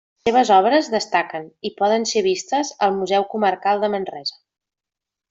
Les seves obres destaquen i poden ser vistes al Museu Comarcal de Manresa.